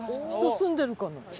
人住んでるかな？